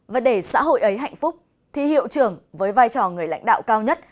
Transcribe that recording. và để xã hội ấy hạnh phúc thì hiệu trưởng với vai trò người lãnh đạo cao nhất